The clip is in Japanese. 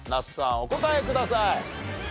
お答えください。